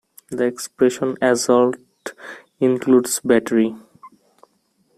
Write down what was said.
The expression assault includes "battery".